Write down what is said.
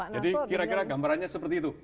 jadi kira kira gambarannya seperti itu